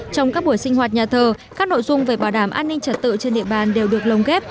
trong các buổi sinh hoạt nhà thờ các nội dung về bảo đảm an ninh trật tự trên địa bàn đều được lồng ghép